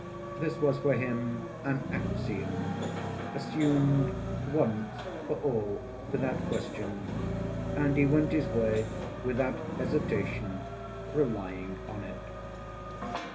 This was for him an axiom, assumed once for all without question, and he went his way without hesitation, relying on it.